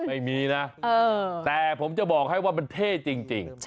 ไม่มีนะแต่ผมจะบอกให้ว่ามันเท่จริง